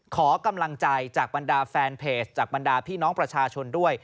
ขอกำลังใจจากบรรดาแฟนเพจจากบรรดาพี่น้องประชาชนด้วย